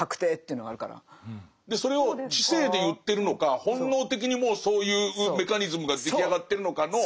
それを知性で言ってるのか本能的にもうそういうメカニズムが出来上がってるのかの。